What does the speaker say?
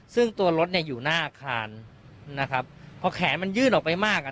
ซึ่งตัวรถเนี่ยอยู่หน้าอาคารนะครับพอแขนมันยื่นออกไปมากอ่ะ